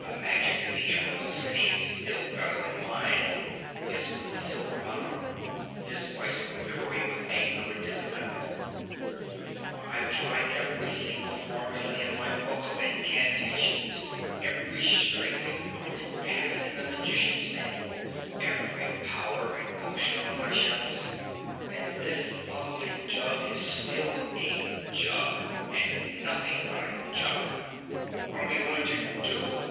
"The magic in the Emerald City is still better than mine," hissed the Silver Monarch, his voice quivering with anger and disappointment. "I've tried every single formula in my book of incantations, every straight and crooked pass in the magician's manual, every powder and potion on my shelves, and this ugly jug is still a jug and nothing but a jug! What are we going to do?"